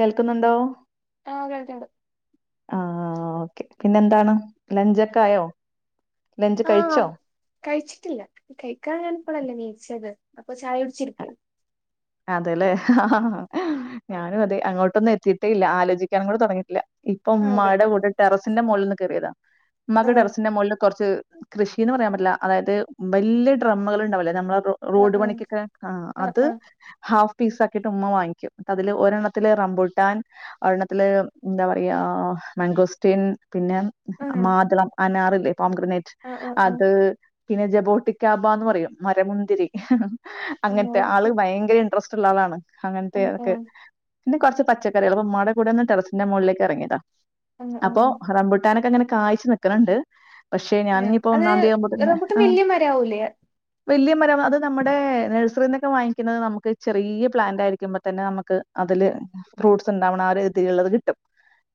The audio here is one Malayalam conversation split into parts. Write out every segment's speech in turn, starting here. കേൾക്കുന്നുണ്ടോ ആഹ് കേൾക്കുണ്ട് ആഹ് ഓക്കെ പിന്നെ എന്താണ് ലഞ്ച് ഒക്കെ ആയോ ലഞ്ച് ആഹ് കഴിച്ചോ കഴിച്ചിട്ടില്ല കഴിക്കാൻ ഞാൻ ഇപ്പളല്ലേ ഇണീച്ചത് അപ്പൊ ചായ കുടിച്ചിരിക്ക. അതെയില്ലേ ആഹ് ഞാനും അതെ അങ്ങോട്ടൊന്നും എത്തിട്ടേയില്ല ആലോചിക്കാനും കൂടി തൊടങ്ങിയിട്ടില്ല ഇപ്പൊ ആഹ് അതെ ഉമ്മായുടെ കൂടെ ടെറസിന്റെ മോളിൽ ഒന്ന് കേറിയതാ ഉമ്മാക്ക് ആഹ് ടെറസിന്റെ മോളില് കൊറച്ച് കൃഷിന്ന് പറയാൻ പറ്റില്ല അതായത് വലിയ ഡ്രമ്മുകൾ ഉണ്ടാവില്ലേ നമ്മള്- റോഡ് പണിക്കൊക്കെ ആഹ് അത്- ഹാഫ് പീസ് ആക്കിയിട്ട് ഉമ്മ വാങ്ങിക്കും അതില് ഒരെണ്ണത്തില് റമ്പൂട്ടാൻ- ഒരണത്തില് എന്താ പറയാ മാഗോസ്റ്റീൻ- പിന്നെ ആഹ് മാതളം അനാറില്ലേ പോംഗ്രനേറ്റ് ആഹ് ആഹ് ആഹ് പിന്നെ ജബോട്ടിക്കാബന്ന് പറയും മരമുന്തിരി ആഹ് അങ്ങനത്തെ ആള് ആഹ് ഭയ ഭയങ്കര ഇൻട്രസ്റ്റ് ഉള്ള ആളാണ് അങ്ങനത്തെ ആഹ് ആഹ് അതൊക്കെ ആഹ് പിന്നെ കൊറച്ച് പച്ചക്കറികള് അപ്പ ഉമ്മാടെ കൂടെ ഒന്ന് ടെറസിന്റെ മോ ളിലേക്ക് ഇറങ്ങിയതാ ആഹ് അപ്പൊ ആഹ് റംബുട്ടാനൊക്കെ ഇങ്ങനെ കായ്ച്ച് നി നിക്കണുണ്ട് പക്ഷെ ഞാൻ ഏഹ് ഇനിയിപ്പോ അത് ഒന്നാം തിയയാവുമ്പോത്തന്നെ റംബൂട്ടാൻ ആ വല്യ മരാവൂലേ വലിയ മരം അത് നമ്മുടെ നഴ്റി നിന്നൊക്കെ വാങ്ങിക്കുന്നത് നമുക്ക്- ചെറിയ പ്ലാന്റ് ആയിരിക്കുമ്പോ തന്നെ നമുക്ക് അതില്- ഫ്രൂട്ട്സ് ഉണ്ടാവണം ആഹ് ഒരു തിലിള്ളത് കിട്ടും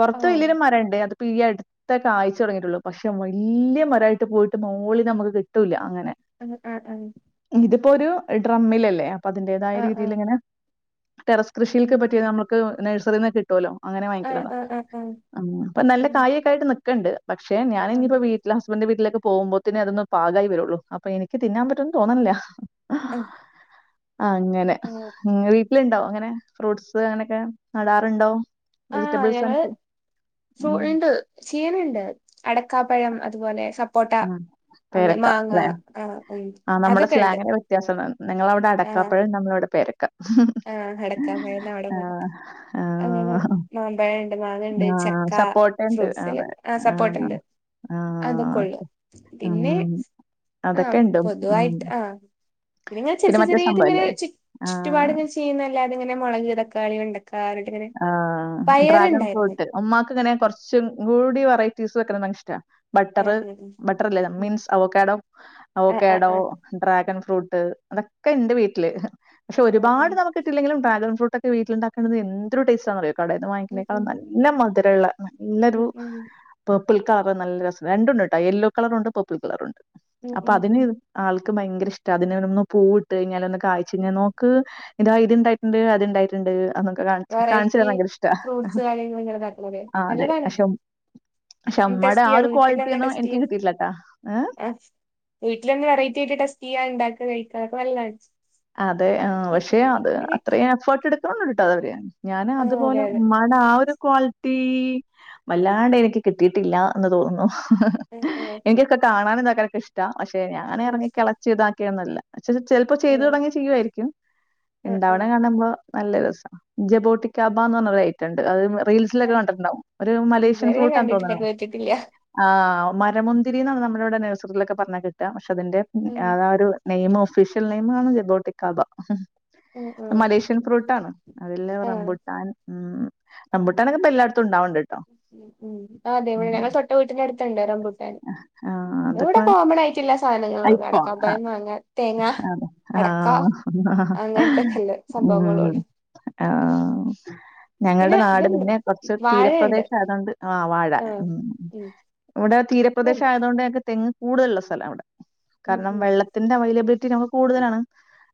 പൊറത്ത് ഓഹ് വലിയ ഒര് മരണ്ട് അത് ഇ പ്പോ ഈ അടു ത്തൊക്കെ കായ്ച്ചൊടങ്ങിട്ടുള്ളൂ പക്ഷെ വല്യ മരായിട്ട് പോയിട്ട് മോളിന്ന് നമുക്ക് കിട്ടൂല്ല അങ്ങനെ- ഉം ആഹ് ആ. ഇതിപ്പോ ഒരു ഡ്രമ്മിലല്ലേ അപ്പൊ അതിന്റെതായ ആഹ് ആഹ് രീതിയിലിങ്ങനെ. ടെറസ് കൃഷിയിൽക്ക് ഉം പറ്റിയ നമ്മുക്ക് നഴ്സറിന്ന് കി ട്ടോലോ അങ്ങനെ ആഹ് വാങ്ങിക്കണതാ ആഹ് ആഹ് ആഹ് ഇപ്പൊ നല്ല ഉം കായൊക്കൊയിട്ട് നിക്കണ്ട് പക്ഷെ ഞാൻ ആഹ് ഇനിയിപ്പോ വീ ല് ഹസ്ബൻഡ് വീട്ടിലൊക്കെ പോകുമ്പോത്തിനെ അതൊന്ന് പാകായി വരുള്ളൂ അപ്പോ എനിക്ക് തിന്നൻ പറ്റോന്ന് തോന്നണില്ല. ഉ ആഹ് ങ്ങനെ വീട്ടിലിണ്ടോ അങ്ങനെ ഫ്രൂട്ട്സ് അങ്ങനൊക്കെ നടാറുണ്ടോ? ആഹ് വെജിറ്റബിൾസ് ആൻഡ് ഞങ്ങള് ഫ്രൂ ഫൂ ഉം ഇണ്ട് ചെയ്യണണ്ട് അടക്കാപ്പഴം അതുപോലെ സ ആഹ് പേരക്ക ല്ലെ ആഹ് ഉം ആഹ് നമ്മുടെ അതൊക്കെണ്ട് സ്ലാങ്ങിന്റെ വ്യത്യാസാള്ളത്. നിങ്ങളവിടെ ആഹ് അടക്കാപ്പഴം നമ്മളവിടെ പേരക്ക. ആഹ് അടക്കാപ്പഴം ന്നാ വടെ പറയ. ആഹ് അങ്ങനെ ആഹ് മാമ്പഴണ്ട് മാങ്ങണ്ട് ആഹ് ചക്ക. സപ്പോട്ടണ്ട് ഫ്രൂട്ട്സില് അതെ. ആഹ് സപ്പോട്ടണ്ട് ആഹ് അതൊക്കെള്ളു. ഓക്കെ പിന്നെ ഉം ആഹ് അതൊക്കെണ്ട് ഉം പൊതുവായിട്ട് ആഹ് പിന്നിങ്ങനെ ചെർ ചെർ പിന്നെ മറ്റേ ചെറിയചെറിയെതിങ്ങനെ സംഭവല്ലേ ചു ആഹ് ചുറ്റുപാട് ഇങ്ങെനെ ചെയ്യുന്നല്ലാതെ ഇങ്ങനെ മുളക് തക്കാളി വെണ്ട കാ യിട്ടങ്ങനെ പയറ്ണ്ടായിരുന്നു. ഉമ്മാക്ക്ങ്ങനെ കൊറച്ചും കൂടി വെറൈറ്റീസ് വെക്കണതങ്ങിഷ്ടാ ബട്ടർ ആഹ് ഉം ഉം ബട്ടർ ല്ലേ ഉം മീൻസ് അവോക്കടോ ആഹ് ആഹ് അവോക്കടോ ആഹ് ഡ്രാഗൺ ഫ്രൂട്ട്. അതൊക്കെ ണ്ട് വീട്ടില്. പക്ഷെ ആഹ് ഒരുപാട് നമുക്ക് കിട്ടില്ലെങ്കിലും ഡ്രാഗൺ ഫ്രൂട്ടൊക്കെ വീട്ടിലുണ്ടാക്കണത് എന്തൊരു ടേസ്റ്റാണറിയോ കടേന്ന് ഉം വാങ്ങുന്നേക്കാളും ഉം നല്ല മധുരള്ള ഉം നല്ലൊരു ഉം ഉം പേർപ്പിൾ കളറ് നല്ല രസം. രണ്ടുണ്ട് ട്ടോ യെല്ലോ കളറുണ്ട് പേർപ്പിൾ കളറുണ്ട്. ഉം അപ്പൊ ഉം ഉം തിന് ആൾക്ക് ഭയങ്കര ഇഷ്ട. അതിനന് ഒന്ന് പൂ ഇട്ട് കഴിഞ്ഞാ ഒന്ന് ഉം കായ്ച്ചഴിഞ്ഞാ നോ ക്ക് ഇത്ണ്ടായിട്ടുണ്ട്, അത്ണ്ടായിട്ടുണ്ട് അതൊക്കെ കാണി കാണിച്ചരാൻ വെറൈറ്റി ഭയങ്കര ഇഷ്ട ഫ്രൂട്ട്സ് കാര്യങ്ങള് ഇങ്ങനെ ഇതാക്കണത് ആഹ് അതെ നല്ലതാണ് അക്ഷോ ക്ഷെ മ്മടെ ടെസ്റ്റ് ആഹ് ചെയ്യാം ഒരു വീട്ടിലൊന്ന് ക്വാളിറ്റിന്നും ടെസ്റ്റ് എനിക്ക് ചെയ്യാം കിട്ടീയില്ലട്ടാ ഏഹ് ആഹ് വീട്ടിലൊന്ന് വെറൈറ്റി ആയിട്ട് ടെസ്റ്റ്യ്യ ഇണ്ടാക്ക കഴിക്കാ അതൊക്കെ നല്ലണ് അതെ ആഹ് പക്ഷെ അത് അത്രയും എഫേർട്ട് എടുക്കണ്‌ണ്ട് ട്ടോ അതവര് ഞാൻ അതൊക്കെ നല്ലതാണ് ആഹ് അതെ അതുപോലെ അതെ മ്മ ആഹ് ഒരു ക്വാളിറ്റി വല്ലാണ്ട് എനിക്ക് കിട്ടിയിട്ടില്ല എന്ന് തോന്നുന്നു. ഉം ഉം എനിക്കൊക്കെ കാണാനും ഇതാക്കാനൊക്കെ ഇഷ്ടാ പക്ഷെ ഉം ഞാനറങ്ങി കെള ക്കെയ്താക്കിയൊന്നല്ല പക്ഷെ ചെലപ്പോ ചെയ്ത് തൊടങ്ങിയ ചെയ്യുവായിരിക്കും. ഉം ഉം ഉം ഇണ്ടാവണ കാണുമ്പോ നല്ല രസം. ജബോട്ടിക്കാബന്ന് പറഞ്ഞ ഒരഐറ്റം ണ്ട് അത് റീൽസിലൊക്കെ ഞാൻ കണ്ടിട്ടുണ്ടാവും. ഒരു മലേഷ്യൻ ഇതുവരെ ഞാൻ ഫ്രൂട്ടാന്ന് കണ്ടിട്ടില്ല തോന്ന്ണ്. കേട്ടിട്ടില്ല ആഹ് മരമുന്തിരിന്നാണ് നമ്മളെവി. ടെ നഴ്സറിയിലൊക്കെ പറഞ്ഞാ കിട്ട പക്ഷെ അതിന്റെ ഉം അതാ ഒരു നെയിം ഒഫീഷ്യൽ നെയിമാണ് ജബോട്ടിക് ടാബ [unintelligible] ഉം ഉം മലേശ്യ ൻ ഫ്രൂട്ടാണ് അതില് ആഹ് റബുട്ടാൻ. ഉം റംബുട്ടാനൊക്കെ ഇപ്പ എല്ലാടത്തും ഉണ്ടാവണ്ട്. ഉം അതെ ഇവിടെ ഞങ്ങൾ തൊട്ട വീട്ടിന്റെ അടുത്തുണ്ട് റംബു അഹ് ആഹ് ഇവിടെ അതൊക്കെ കോമൺ ആയിറ്റെല്ലാ സാധനങ്ങളുണ്ട്. ഇപ്പോ ആഹ് അടക്കാപ്പഴം മാങ്ങ തേങ്ങ. അതെ അടക്കാ ആഹ് അങ്ങനതൊക്കെ ല്ലേ ഉം സംഭവങ്ങളൊള്ള്. ആഹ്. പിന്നെ ഞങ്ങളുടെ നാട് ഇതുണ്ട് പിന്നെ കൊറച്ച് വാഴയുണ്ട് തീരപ്രദേശയതൊണ്ട് ആഹ് വാഴ ആഹ് ഉം ഉം ഇവടെ തീരപ്രദേശം ഇതുണ്ട് ആയതുകൊണ്ട് ഞങ്ങക്ക് തെങ്ങ് കൂടുലുള്ള സ്ഥലവടെ ഉം കാരണം ഉം വെള്ള ത്തിന്റെ അവൈലബിലിറ്റി നമുക്ക് കൂടുതലാണ്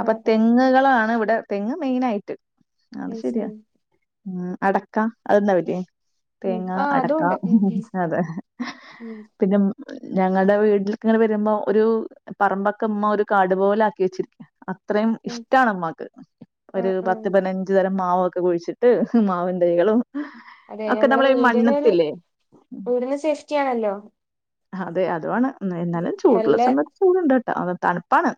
അപ്പൊ ആഹ് തെങ്ങുകളാണ് ഇവിടെ തെങ്ങ് മെയിനായിട്ട്. അത് ആഹ് ശരിയാ ഉം അടക്കാ അത് ണ്ടാവില്ല്യേ? ഉം തേങ്ങ ആഹ് അടക്ക അതുണ്ട് ഉം ഉം ഹ അതെ. ഉം. പിന്നെ [unintelligible] ഞങ്ങളടെ വീട്ടിൽക്കിങ്ങനെ വരുമ്പോ ഒരു പറമ്പക്കെ മ്മ ഒരു കാട്പോലെ ആക്കി വെച്ചിരി അത്രയും ഉം ഇഷ്ടാണ് മ്മാക്ക്. ഒരു ആഹ് ആഹ് പത്ത് പതിനഞ്ചു തരം മാവൊക്കെ കുഴിച്ചിട്ട് മാവിന്തൈകളും ഒക്കെ നമ്മള ഈ മണ്ണത്തില്ലേ വിടിന്ന് സേഫ്റ്റി ആണല്ലോ അതെ അതു ആണ് എന്നാലും ചൂടുള്ള നല്ല സമയത്ത് ചൂടുണ്ട് കേട്ടോ അത തണുപ്പാണ്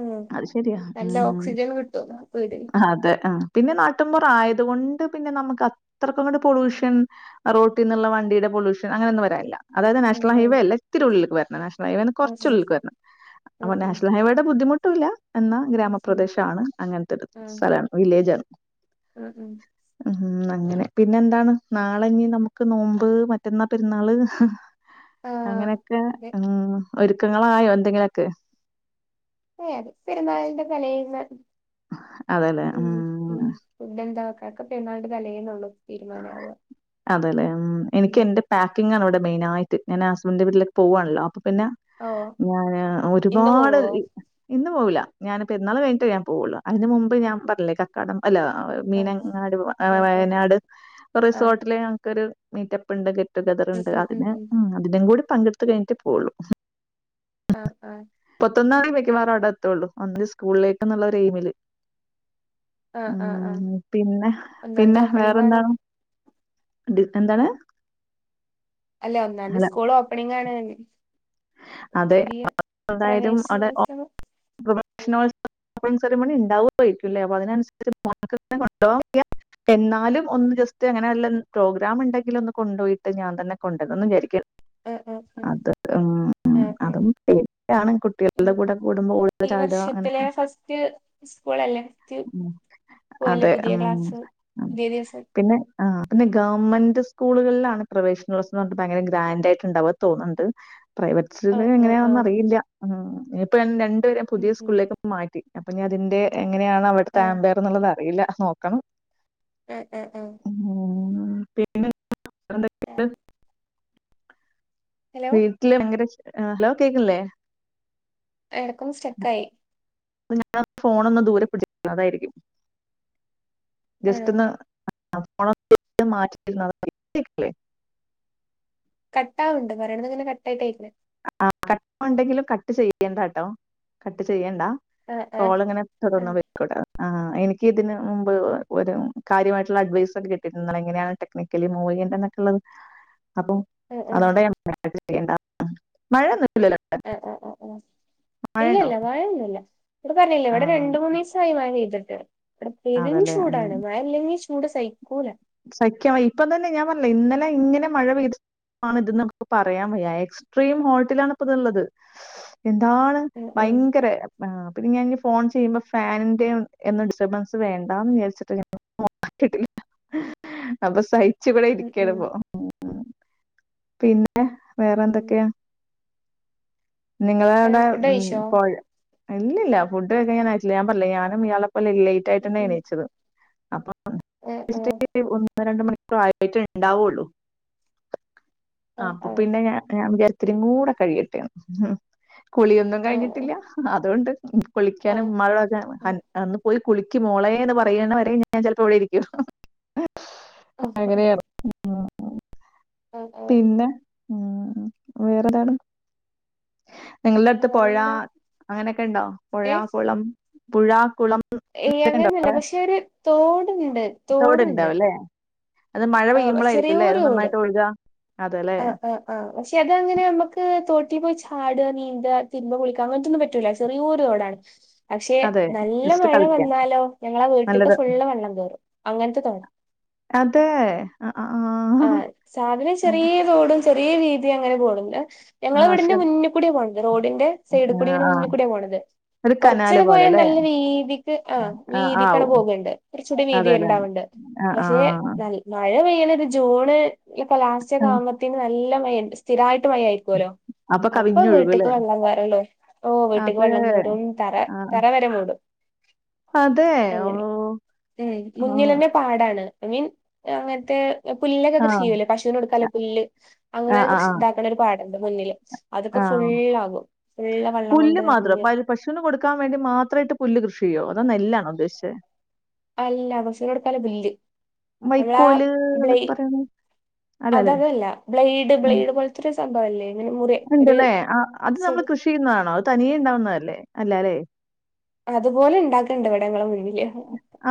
ഉം അത് ശരിയാ നല്ല ഓക്സിജൻ കിട്ടും വീടിന് അതെ ആഹ് പിന്നെ നാട്ടുമ്പോറ ആയതുകൊണ്ട് പിന്നെ നമുക്ക് അത്രക്കും കൂടെ പൊയൂഷൻ റോട്ടീന്നുള്ള വണ്ടിയുടെ പൊല്യൂഷൻ അങ്ങനെയ ഒന്നും വരല്ല അതായത് ഉം നാഷണൽ ഉം ഹൈവേ അല്ല ഇത്തിരി ഉള്ളിലക്ക് വരണം നാഷണ ഹൈവേ നിന്ന് ഉം കുറച്ചള്ളിലക്ക് വരണം ഉം അപ്പോ ഉം നാഷണൽ ഹൈവേയുടെ ബുദ്ധിമുട്ടുല്ല എന്ന ഉം ഉം ഗ്രാമപ്രദേശണ് അങ്ങൻത്തെ ഒരു ആഹ് സ്ഥലാണ് വില്ലേജാണ് ഉം ഉം ഉം അങ്ങനെ പിന്നെ എന്താണ് നാളഞ്ഞി നമക്ക് നോമ്പ് മറ്റന്നാ പെരുന്നാള് ആഹ് അങ്ങനെയൊക്കെ അതെ ഉം ഒരുക്കങ്ങളായോ എന്തെങ്കിലൊക്കെ അത അതെ പെരുന്നാളിന്റെ തലന്ന് അതെല്ലേ ഫുഡ് എന്താ കാക്ക പെരുന്നാൾ തലേന്നള്ളു അതെല്ലേ ഉം എനിക്ക് എന്റെ പാക്കിങ്ങ് ആണ് ഇവിടെ മെയിനയിട്ട് ഞൻ ഹസ്ബൻന്റെ വീട്ടിലേക്ക് പോവാണല്ലോ അപ്പ പിന്നെ ഓഹ് ഞാന് ഇന്ന് ഒരുപാട് പോവോ ഇന്ന് പോവില്ല ഞാനിപ്പോ പെരുന്നാള് കഴിഞ്ഞിട്ട് പോവുള്ളൂ അതിന് മുമ്പ് ഞാൻ പറഞ്ഞില്ലേ കക്കാടം അല്ല ആഹ് മീനങ്ങാട് ആഹ് ആഹ് വയനാട് ആഹ് റിസോർട്ടില് ഞങ്ങക്കൊരു മീറ്റപ്പ് ഉണ്ട് ഗെറ്റ് ടുഗെദർ ഉം ഉണ്ട് ഉം ഉം അതിന് ഉം അതിനും കൂടി പങ്കെടുത്ത കഴിഞ്ഞിട്ട് പോവുള്ളു ആഹ് ആഹ് മുപ്പത്തൊന്നാന്തി മിക്കവാറും അവിടെ എത്തള്ളൂ അന്ത് സ്കൂളിലേക്ക് എന്നുള്ള ഒരു എയിമില് ആഹ് ആഹ് ആഹ് ഉം പിന്നെ ഒന്നാന്തി പിന്നെ ഓപ്പണിംഗ് ആണ് വേറെന്താണ് പിന്നെന്താണ് അല്ലെ ഒന്നാംന്തി സ്കൂൾ ഓപ്പണിം ആണ് അതെ പുതിയ പ്രവേശനോത്സവം പ്രവേശനോത്സവം കുറച്ച് നേരം കൂടി ഉണ്ടാവയിരിക്കല്ലേ അപ്പൊ അതിനനുസരിച്ച് കൊ [unintelligible] എന്നാലും ഒന്ന് ജസ്റ്റ് അങ്ങനെ വല്ല പ്രോഗ്രാം ഉണ്ടെങ്കിലും ഒന്ന് കൊണ്ടുപോയിട്ട് ഞാൻ തന്നെ കൊണ്ടുവന്നന്ന് വിചാരിക്കും ആ ആ ആ അതക്കെ ഉം ആ അതും പോടിയാണ്കുട്ടികളുടെ കൂടെ കൂടുമ്പോ ള്ള ചാട്ആ പ്പിലെ ഫസ്റ്റ് സ്കൂളല്ലേ ഉം, പോയല്ലേ അതെ പുതിയ ഉം, ക്ലാസ് ഉം. ഇതേ ദിവസം പിന്നെ ആ പിന്നെ ഗവൺമെന്റ് സ്കൂളുകളിലാണ് പ്രവേശനോത്സവം ഭയങ്കര ഗ്രന്റായിറ്റ് ഇണ്ടാവ തോന്നുന്നുണ്ട് പ്രൈവറ്റ് ആ ആ ആ എങ്ങനെയണന്നും അറിയില്ല ഉം ഇനിയിപ്പോ രണ്ടുപേര ഉം പുതിയ ഉം സ്കൂളിലേക്ക് മാറ്റി അപ്പൊ ഞാൻ അതിന്റെ എങ്ങനെയാണ് അവിട്ത്തെ ആ ആമ്പയർ എന്നുള്ളത് അറിയില്ല നോക്കണം ആഹ് ആഹ് ആഹ് ഉം, ആ. [unintelligible] ഹലോ വീട്ടില് ഭയങ്കര ഹലോ കേക്കില്ലേ എടക്കൊന്ന് സ്റ്റക്കായി ഞൻ ഫോണ് ഒന്ന് ദൂരെ പിടതായിരിക്കും ആണോ ജസ്റ്റ് ഒന്ന് [unintelligible] കട്ടവുണ്ട് പറയണത് ഇങ്ങനെ കട്ടായിട്ടയിക്കേ ആ കട്ട ഉണ്ടെങ്കിലും കട്ട് ചെയ്യേണ്ട കേട്ടോ കട്ട് ചെയ്യണ്ടാ ആ ആ കോൾ ഇങ്ങനെ ആ തുടർന്ന് പൊയ് കൂടെ ആ ആഹ് എനിക്ക് ഇതിന് മുമ്പ് ഒരു കാര്യമായിട്ടുള്ള അഡ്വൈസ് ഒക്കെ കിട്ടിയിരുന്നൽ എങ്ങനെയാണ് നിക്കലി മൂവി എന്നിട്ടുള്ളത് അപ്പൊ ആ ആ അതോണ്ട ഞാൻ ഴ ചെയ്യണ്ട മഴ ഒന്നൂല ആഹ് ആഹ് ആഹ് ആഹ് മഴ ഉണ്ടോ ഇല്ല്ല്ല മഴയോന്നൂല്ല ഇപ്പൊ പറഞ്ഞില്ലേ ഇവിട രണ്ട് ആ മൂന്നിസായി മഴ പെയ്തെട്ട് അതല്ലേ ഉം. പെരുംചൂടാണ് മഴ ഇല്ലെങ്കി ചൂട് സഹിക്കൂല സഹിക്കാവയ്യി ഇപ്പം തന്നെ ഞാൻ പറഞ്ഞില്ലെ ഇന്നലെ ഇങ്ങന മഴ പെയ്ത് ആഹ് ഇത്ന്ന് നമുക്ക് ഇപ്പ പറയാം വയ്യ എക്സ്ട്രീം ഹോട്ടിലാണ് ഇപ്പതുള്ളത് എന്താണ് ഉം ഉം ഭയങ്കര ആഹ് പിന്നെ ഞാന് ഇനി ഫോൺ ചെയ്യുമ്പോ ഫാനിന്റെ ഒ എന്ന് ഡിസ്റ്റർബൻസ് വേണ്ടാന്ന് വിചാരിച്ചിട്ട് ഞാന്പ്പം ഓഫാക്കിട്ട്ല് അപ്പൊ സഹിച്ചിവിടെ ഇരിക്കണപ്പൊ ഉം ഉം പിന്നെ ഉം വേറെന്തൊക്കെയാ നിങ്ങളവിടെ ഫുഡ് ഉം കഴിച്ചോ പൊഴ് ഇല്ല്ല്ല ഫുഡ് കായ്ക്കാനായിട്ടില്ല ഞാൻ പറഞ്ഞില്ലെ ഞാനും ഇയാളപ്പോല് ലെറ്റ് ട്ടനാ ഉം എണീച്ചത് അപ്പ [inaudible] ഉം [unintelligible] ഒന്ന് രണ്ട് മണിക്കൂറയിട്ട്ണ്ടാവോള്ളൂ ആഹ് അപ്പൊ പിന്നെ ഞാ ഞാൻ വിചാരിത്തിരിയും കൂട കഴിയടട്ടെന്ന് ഉം കുളിയൊന്നും ആഹ് കഴിഞ്ഞിട്ടില്ല അതുകൊണ്ട് കുളിക്കാനും ആഹ് മഴചാ ഒന്ന് പോയി കുളിക്ക് മോളെന്ന് പറയണ വരെ ഞാൻ ചെലപ്പോ ഇവിടെ ഇരിക്കും ആഹ് അങ്ങനെയാണ് [unintelligible] പിന്നെ ഉം വേറെന്താണ് നിങ്ങൾടെ അടുത്ത് പൊഴാ വേറെന്താ അങ്ങനെക്കെ ഇണ്ടോ പൊഴാ കുളം പൊഴാ കുളം ഏഹ് ഇതൊക്കെ ഉണ്ടോ അങ്ങനന്നല്ല പക്ഷെ ഒര് തോട്ണ്ട് തോട് തോട്ണ്ട് ഉണ്ടാവും അല്ലേ അത് മഴ പെയ്യുമ്പളായിരിക്ക്ല്ലെ അത് തോട് നന്നായിട്ട് ഒഴുകാ ആഹ് ആഹ് ആഹ് പക്ഷെ അതങ്ങനെ നമ്മക്ക് തോട്ടി പോയി ചാട്ക നീന്ത്ക തിരുമ്പ കുളിക്ക അങ്ങനത്തൊന്നും പറ്റൂല ചെറിയോര് തോടാണ് [inaudible] പക്ഷെ അതെ നല്ല ജസ്റ്റ് മഴ കളിക്കാൻ വന്നാലോ ഞങ്ങള വീട്ട്ക്ക് നല്ലത് ഫുള്ള് വെള്ളം കെറും അങ്ങനത്തെ തോട് അതെ ആ, ആ, ആഹ് സാധനം ആ, ചെറിയ തോടും ചെറിയ വീതിയും അങ്ങനെ പോണ്ണ്ട് ആ, ഞങ്ങള പക്ഷെ വിട്ന്റെ മുന്നി കൂടിയ പോണത് റോഡിന്റെ സൈഡ് ആ, കുടി ആ, മുന്നി കൂടിയ പോണത് ഒരു കനാല് കൊറച്ചണ് പോലെ പോയാ അല്ലേ നല്ല വീതിക്ക് ആഹ് ആ വീതിക്കണ് ആവും പോക്ണ്ട് കുറച്ചൂടി അതെ വീതി അല്ലേ ഉണ്ടാവണ്ട് ആ ആ പക്ഷെ നല മഴ പെയ്യണത് ജൂണ് ഇപ്പ ലാസ്റ്റ് ആ. ഒക്കെ ആവ്മ്പ ത്തിന് നല്ല മഴ സ്ഥിരമായിട്ട് മഴ ആയിരിക്കൊല്ലോ അപ്പൊ കവിഞ്ഞൊഴുകും അല്ലേ വീട്ട്ക്ക് വെള്ളം കയറൂല്ലെ ഓ വീട്ടക്ക് അതെ. വെള്ളം കയറും തറ ആഹ്. തറ വരെ മൂടും അതെ. അങ്ങനെ ഓഹ്! ഉം ആഹ്. മുന്നിലന്നെ പാടാണ് ഐ മീൻ അങ്ങനത്തെ പുല്ലക്കെ കൃഷി ആഹ്. ചെയ്യൂല്ലേ പശൂന് കൊടുക്കാനുല്ല പുല്ല് അങ്ങനെ ആഹ് ആഹ് കൃഷ് ആഹ്. ഇതാക്കണ ഒരു പാടണ്ട് മുന്നില് അതൊക്കെ ആഹ്. ഫുള്ളാകും ഫുള്ള് വെള്ളം കൊണ്ട് നെറഞ്ഞ് പശുന് കൊടുക്കാം വേണ്ടി മാത്രെട്ട് പുല്ല് കൃഷിചെയ്യോ അതോ നെല്ലാണോ ഉദ്ദേശിച്ചെ അല്ല പശൂന് കൊടുക്കാൻള്ള പുല്ല് നമ്മളാ വൈക്കോല് ബ്ലേ എന്നോക്കെ പറയണെ അതതല്ല ബ്ലെയ്ഡ് ബ്ലെയ്ഡ് പോലത്തൊരു സംഭവ ഇല്ലേ ഉണ്ട്ല്ലേ ആഹ് അത് നമ്മള് കൃഷി ചെയ്യുന്നതാണോ അത് തനിയെ ഇണ്ടാവുന്നതല്ലേ അല്ലാലെ അതുപോലെ ഉണ്ടാക്കണ്ട് ഇവട ഞങ്ങള മുന്നില്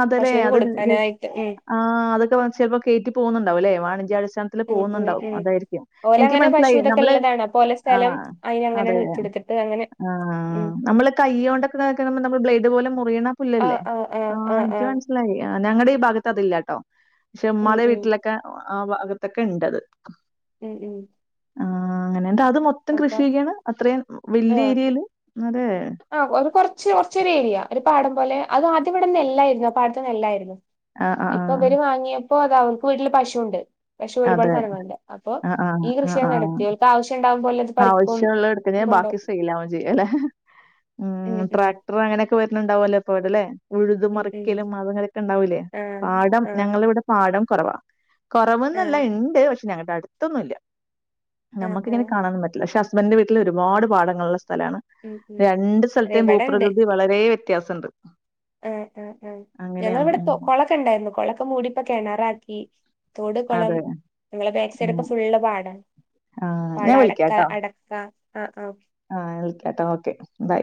അതല്ലേ? പശുവിന് അത് ജസ് കൊടുക്കാനായിട്ട് ഉം ആഹ് അതൊക്കെ വ ചെലപ്പോ കേറ്റി പോകുന്നുണ്ടാവുല്ലേ വാണിജ്യ അടിസ്ഥാന ത്തില് ഉം ഉം പോകുന്നുണ്ടാവും ഉം അതായിരിക്കും എനിക്ക് ഓലങ്ങനെ പശു മനസ്സിലായി ഇതൊക്കെ നമ്മള് ഇള്ളതാണ് അപ്പൊ ഓലെ സ്ഥലം ആഹ് അതെ അയിനങ്ങനാണ് വിറ്റൊടുത്തിട്ട് അങ്ങനെ ആഹ് ഉം നമ്മള് കയ്യോണ്ട് ആക്ക നമ്മള് ബ്ലേയ്ഡ് പോല മുറിയണ പുല്ലല്ലേ ആഹ് എനിക്ക് മനസ് സിലായി ഞങ്ങടെ ഈ ഭാഗത്ത് അത് ഇല്ലാട്ടോ പക്ഷെ ഉം ഉമ്മാടെ ഉം വീട്ടിലെ ക്ക ആഹ് ഭാഗത്തൊക്കെ ഇണ്ടത് ഉം ഉം. അങ്ങനെന്താ അത് മൊത്തം അപ്പൊ കൃഷി ചെയ്യാണ് അത്രയും വലിയ ഏരിയൽ അതെ. ആ അത് കൊർച്ച് കൊർച്ചൊരേരിയ ഒരു പാടം പോലെ അത് ആദ്യം ഇവിടെ നെല്ലായിരുന്നു ആ പാടത്ത് നെല്ലായിരുന്നു. ആഹ് ആഹ് ഇപ്പൊ ആഹ്. ഇവര് വാങ്ങിയപ്പോ അതാ അവർക്ക് വീട്ടില് പശുണ്ട്. പശു ഒരുപാട് അതെ. സാനങ്ങളുണ്ട് അപ്പോ ആഹ് ഈ കൃഷിയങ്ങ് നടത്തി ഓൽക്ക് ആവ്ശ്യം ഉണ്ടാവുമ്പോലെട്. ആവശ്യള്ളത് എട്തിട് ബാക്കി സൈലാവും ചെയ്യല്ലെ ഉം ആഹ് ട്ര ഉം ത്ര അങ്ങനൊക്കെ വര്ന്ണ്ടാവല്ലോ എപ്പാട്ല്ലേ. ഉഴുതു ഉം ഉം മറിക്കലും മ് അതങ്ങനെക്കെണ്ടാവൂലേ ആഹ് പാഠം ആഹ് ഞങ്ങളിവിടെ പാഠം കൊറവാ. കുറവ്ന്നല്ല ആഹ് ഇണ്ട് പക്ഷെ ഞങ്ങളുടെ അടുത്തൊന്നുല്ല്യ ആഹ് നമ്മുക്ക്ങ്ങനെ. ആഹ് കാണാനും പറ്റില്ല. പക്ഷെ ഹസ്ബന്റ്ന്റെ വീട്ടിൽ ഒരുപാട് പാടങ്ങളുള്ള സ്ഥലാണ്. ഉം ഉം രണ്ട് അതെ സ്ഥലത്തേ ഇവിടെണ്ട് ഭൂപ്രകൃതി വളരെ വ്യത്യാസണ്ട്. ആ ആ ആഹ് അങ്ങനെയാണ്. ഞങ്ങളെവിടെ കൊ ഉം. കൊളംക്കൊണ്ടായിരുന്നു കൊളംക്കൊ മൂടിപ്പോ കെണറാക്കി. തോട്, കുളം അതെ. ഞങ്ങളെ ബേക്ക്സൈഡൊക്കെ ഉം. ഫുള്ള് പാടാണ് ആഹ് പാട ഞാൻ ആടക്ക വിളിക്കാട്ടോ. അട്. ക്ക ആ ആഹ്. ആഹ് ഞാ വിൽക്കട്ടൊ ഓക്കെ ബൈ.